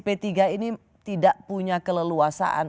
p tiga ini tidak punya keleluasaan